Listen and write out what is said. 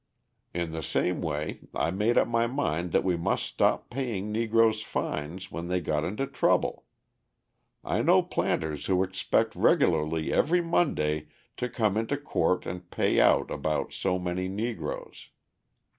In the same way I made up my mind that we must stop paying Negroes' fines when they got into trouble. I know planters who expect regularly every Monday to come into court and pay out about so many Negroes.